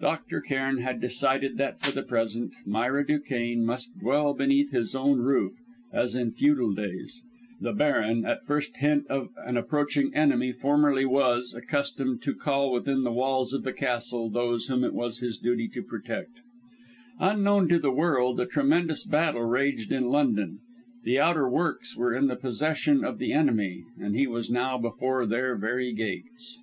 Dr. Cairn had decided that for the present Myra Duquesne must dwell beneath his own roof, as, in feudal days, the Baron at first hint of an approaching enemy formerly was, accustomed to call within the walls of the castle, those whom it was his duty to protect. Unknown to the world, a tremendous battle raged in London, the outer works were in the possession of the enemy and he was now before their very gates.